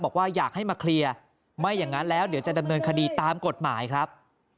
บอกว่าอยากให้มาเคลียร์ไม่อย่างนั้นแล้วเดี๋ยวจะดำเนินคดีตามกฎหมายครับ